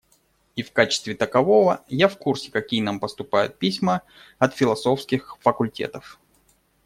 И в качестве такового я в курсе какие нам поступают письма от философских факультетов.